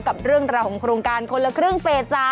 กับเรื่องราวของโครงการคนละครึ่งเฟส๓